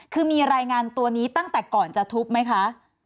คือมีรายงานตัวนี้ตั้งแต่ก่อนจะทุบไหมคะ